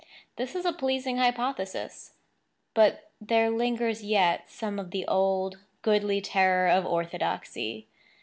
This is a pleasing hypothesis; but there lingers yet some of the old, goodly terror of orthodoxy.